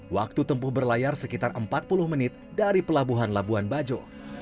waktu tempuh berlayar sekitar empat puluh menit dari pelabuhan labuan bajo